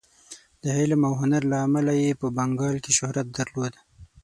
د علم او هنر له امله یې په بنګال کې شهرت درلود.